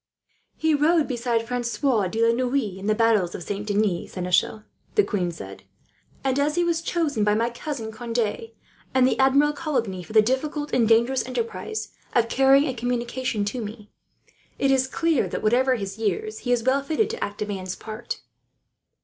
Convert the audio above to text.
"He rode beside Francois de la Noue in the battle of Saint Denis, seneschal," the queen said; "and as he was chosen by my cousin Conde, and Admiral Coligny, for the difficult and dangerous enterprise of carrying a communication to me, it is clear that, whatever his years, he is well fitted to act a man's part."